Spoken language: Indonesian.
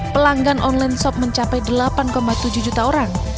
pelanggan online shop mencapai delapan tujuh juta orang